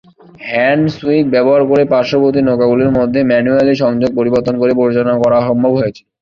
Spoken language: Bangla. হ্যান্ডসুইক ব্যবহার করে পার্শ্ববর্তী নৌকাগুলির মধ্যে ম্যানুয়ালি সংযোগ পরিবর্তন করে পরিচালনা করা সম্ভব হয়েছিল।